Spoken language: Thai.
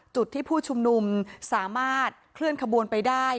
จุดที่ผู้ชุมนุมสามารถเคลื่อนขบวนไปได้